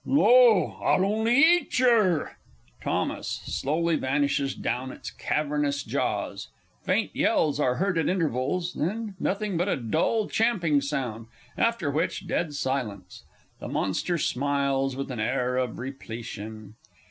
_ No I'll only eat yer! [THOMAS _slowly vanishes down its cavernous jaws; faint yells are heard at intervals then nothing but a dull champing sound; after which, dead silence. The_ Monster _smiles, with an air of repletion.